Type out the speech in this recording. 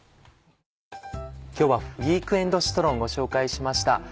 今日は「ウイークエンドシトロン」ご紹介しました。